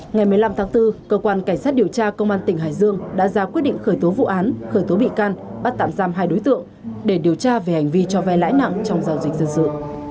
ngày một mươi năm tháng bốn cơ quan cảnh sát điều tra công an tỉnh hải dương đã ra quyết định khởi tố vụ án khởi tố bị can bắt tạm giam hai đối tượng để điều tra về hành vi cho vai lãi nặng trong giao dịch dân sự